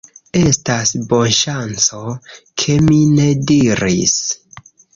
Estas bonŝanco, ke mi ne diris: